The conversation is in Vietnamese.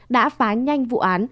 đã phá nhanh vụ án